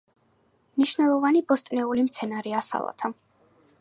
მნიშვნელოვანი ბოსტნეული მცენარეა სალათა.